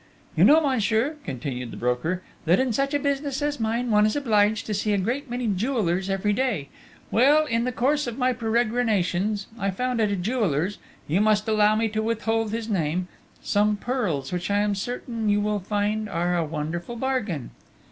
"You know, monsieur," continued the broker, "that in such a business as mine, one is obliged to see a great many jewellers every day; well, in the course of my peregrinations, I found at a jeweller's you must allow me to withhold his name some pearls, which I am certain you will find are a wonderful bargain...."